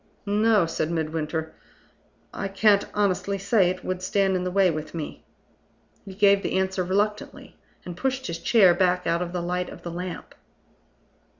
"No," said Midwinter; "I can't honestly say it would stand in the way with me." He gave the answer reluctantly, and pushed his chair back out of the light of the lamp.